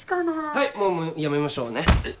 はいもうやめましょうね。うっ！